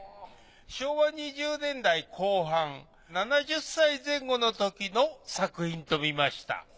昭和２０年代後半７０歳前後のときの作品とみました。